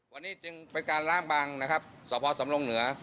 วันนี้จึงเป็นการล้างบางนะครับสพสำรงเหนือ